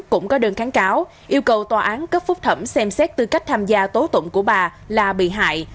cũng có đơn kháng cáo yêu cầu tòa án cấp phúc thẩm xem xét tư cách tham gia tố tụng của bà là bị hại